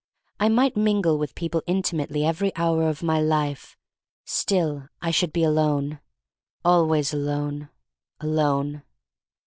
I might mingle with people intimately every hour of my life — still I should be alone. Always alone— alone.